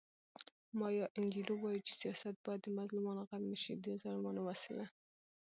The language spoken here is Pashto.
مایا انجیلو وایي چې سیاست باید د مظلومانو غږ شي نه د ظالمانو وسیله.